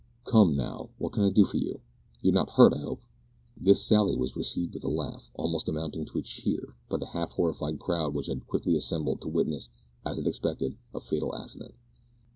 Come, now, what can I do for you? You're not hurt, I hope?" This sally was received with a laugh, almost amounting to a cheer, by the half horrified crowd which had quickly assembled to witness, as it expected, a fatal accident.